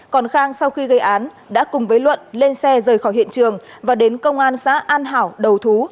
còn khang sau khi gây án đã cùng với luận lên xe rời khỏi hiện trường và đến công an xã an hảo đầu thú